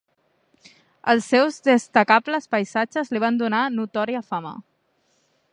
Els seus destacables paisatges li van donar notòria fama.